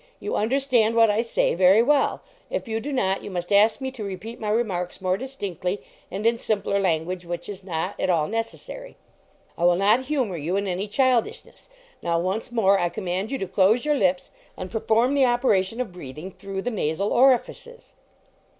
You understand what I say very well ; if you do not, you must ask me to repeat my remarks more distinctly and in simpler language, which is not at all necessary. I will not humor you in any childishness. Now, once more, I command you to close your lips and perform the operation of breathing through the nasal orifices."